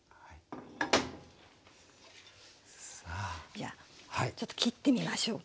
じゃあちょっと切ってみましょうか。